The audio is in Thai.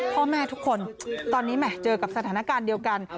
พ่อแม่ทุกคนตอนนี้แห่เจอกับสถานการณ์เดียวกัน